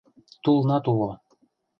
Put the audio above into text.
Тулнат уло.